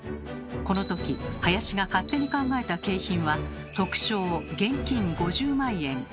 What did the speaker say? このとき林が勝手に考えた景品は特賞現金５０万円。